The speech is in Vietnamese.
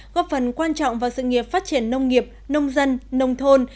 góp phần quan trọng vào sự nghiệp phát triển nông nghiệp nông dân nông thôn